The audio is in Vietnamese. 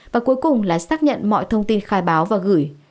và cuối cùng là xác nhận mọi thông tin khai báo và gửi